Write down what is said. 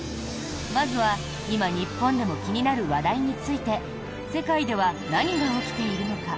まずは今、日本でも気になる話題について世界では何が起きているのか？